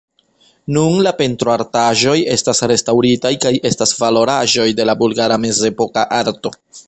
Nun la pentroartaĵoj estas restaŭritaj kaj estas valoraĵoj de la bulgara mezepoka arto.